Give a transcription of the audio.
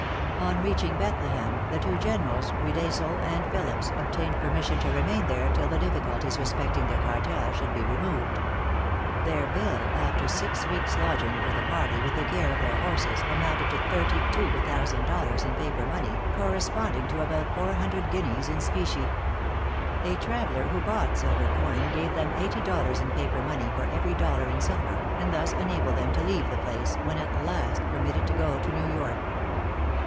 On reaching Bethlehem, the two Generals, Riedesel and Phillips, obtained permission to remain there till the difficulties respecting the cartel should be removed. Their bill, after six weeks' lodging for the party, with the care of their horses, amounted to thirty two thousand dollars in paper money, corresponding to about four hundred guineas in specie. A traveller who bought silver coin, gave them eighty dollars in paper money for every dollar in silver, and thus enabled them to leave the place, when at last permitted to go to New York.